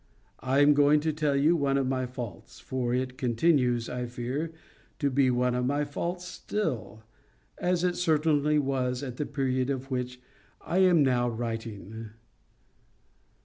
I am going to tell you one of my faults, for it continues, I fear, to be one of my faults still, as it certainly was at the period of which I am now writing.